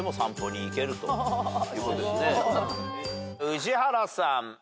宇治原さん。